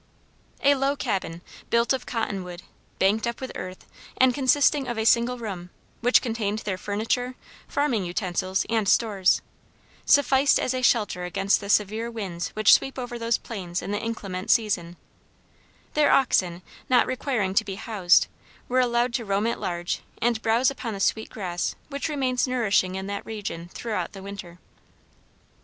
A low cabin, built of cotton wood, banked up with earth, and consisting of a single room, which contained their furniture, farming utensils, and stores, sufficed as a shelter against the severe winds which sweep over those plains in the inclement season; their oxen, not requiring to be housed, were allowed to roam at large and browse upon the sweet grass which remains nourishing in that region throughout the winter.